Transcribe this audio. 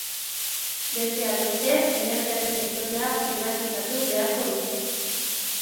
Besteak beste, energiaren sektorea pribatizatu beharko du.